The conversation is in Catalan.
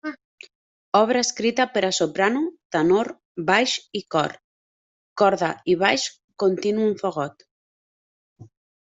Obra escrita per a soprano, tenor, baix i cor; corda i baix continu amb fagot.